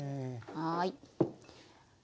はい。